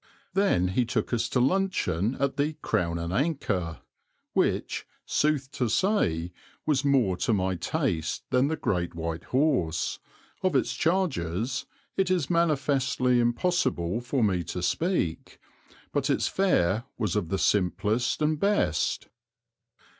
Then he took us to luncheon at the "Crown and Anchor" which, sooth to say, was more to my taste than the "Great White Horse" of its charges it is manifestly impossible for me to speak, but its fare was of the simplest and best.